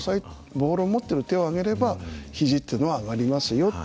ボールを持ってる手を上げればひじっていうのは上がりますよって。